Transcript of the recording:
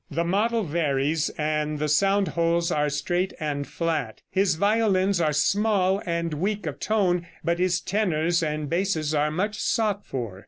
The model varies, and the sound holes are straight and flat. His violins are small and weak of tone, but his tenors and basses are much sought for.